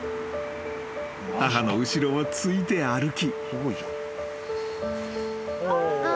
［母の後ろをついて歩き］